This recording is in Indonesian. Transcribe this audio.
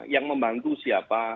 yang membantu siapa